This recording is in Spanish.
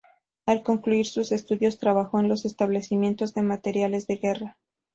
Al concluir sus estudios, trabajó en los establecimientos de materiales de guerra.